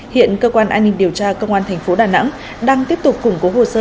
hiện cơ quan an ninh điều tra công an thành phố đà nẵng đang tiếp tục củng cố hồ sơ